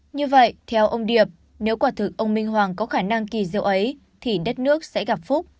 như vậy theo ông điệp nếu quả thực ông minh hoàng có khả năng kỳ diệu ấy thì đất nước sẽ gặp phúc